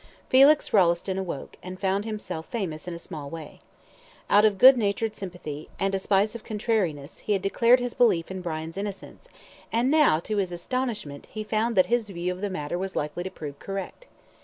Felix Rolleston awoke, and found himself famous in a small way. Out of good natured sympathy, and a spice of contrariness, he had declared his belief in Brian's innocence, and now, to his astonishment, he found that his view of the matter was likely to prove correct.